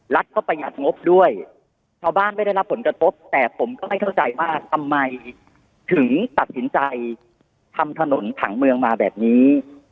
รัฐก็ประหัดงบด้วยชาวบ้านไม่ได้รับผลกระทบแต่ผมก็ไม่เข้าใจว่าทำไมถึงตัดสินใจทำถนนผังเมืองมาแบบนี้